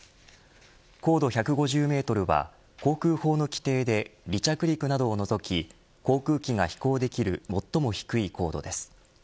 高度１５０メートルは航空法の規定で離着陸などを除き航空機が飛行できる最も低い高度です。